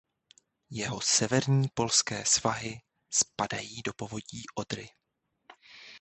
Jeho severní polské svahy spadají do povodí Odry.